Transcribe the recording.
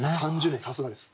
３０年さすがです。